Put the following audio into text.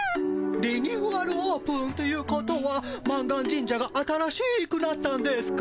リニューアルオープンということは満願神社が新しくなったんですか？